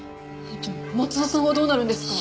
じゃあ松田さんはどうなるんですか？